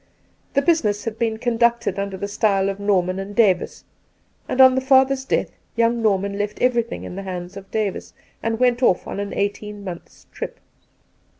The business had been conducted under the style of Norman and Davis, and on the father's death young i^orman left everything in the hands of Davis and went off on an eighteen months' trip.